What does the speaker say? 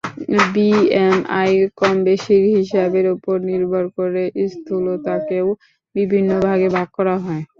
BMI কমবেশির হিসাবের ওপর নির্ভর করে স্থূলতাকেও বিভিন্ন ভাগে ভাগ করা হয়।